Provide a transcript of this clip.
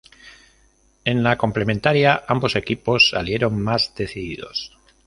En la complementaria, ambos equipos salieron más decididos.